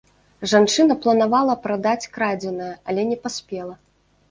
Жанчына планавала прадаць крадзенае, але не паспела.